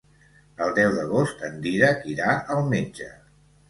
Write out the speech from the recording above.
El deu d'agost en Dídac irà al metge.